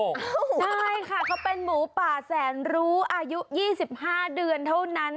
ใช่ค่ะเขาเป็นหมูป่าแสนรู้อายุ๒๕เดือนเท่านั้น